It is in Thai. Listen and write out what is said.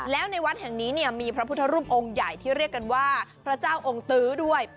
แล้วในวัดแห่งนี้เนี่ยมีพระพุทธรูปองค์ใหญ่ที่เรียกกันว่าพระเจ้าองค์ตื้อด้วย